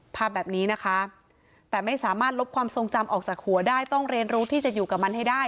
ภาพแบบนี้นะคะแต่ไม่สามารถลบความทรงจำออกจากหัวได้ต้องเรียนรู้ที่จะอยู่กับมันให้ได้